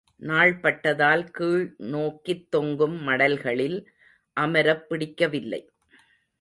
நாள்பட்டதால் கீழ் நோக்கித் தொங்கும் மடல்களில் அமரப் பிடிக்கவில்லை.